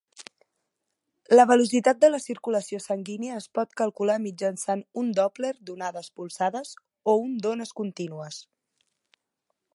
La velocitat de la circulació sanguínia es pot calcular mitjançant un Doppler d'ones polsades o un d'ones contínues.